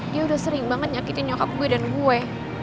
dia udah sering banget nyakitin nyokap gue dari gue